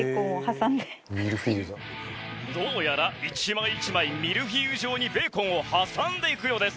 どうやら１枚１枚ミルフィーユ状にベーコンを挟んでいくようです。